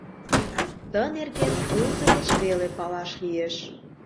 Ты нерген Фрунзе деч веле палаш лиеш.